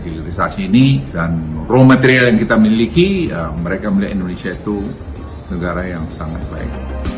hilirisasi ini dan raw material yang kita miliki mereka melihat indonesia itu negara yang sangat baik